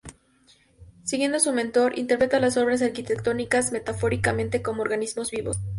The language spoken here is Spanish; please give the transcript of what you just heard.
Siguiendo a su mentor, interpreta las obras arquitectónicas, metafóricamente, como organismos vivos.